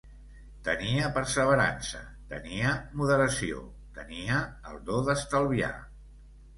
Tenia perseverança, tenia moderació, tenia el do d'estalviar